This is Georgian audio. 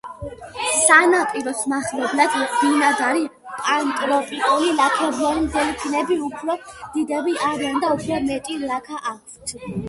სანაპიროს მახლობლად ბინადარი პანტროპიკული ლაქებიანი დელფინები უფრო დიდები არიან და უფრო მეტი ლაქა აქვთ.